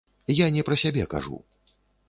Я не пра сябе кажу.